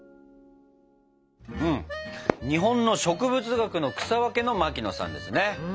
日本の植物学の草分けの牧野さんですね。